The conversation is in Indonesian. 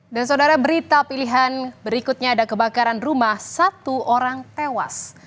dan saudara berita pilihan berikutnya ada kebakaran rumah satu orang tewas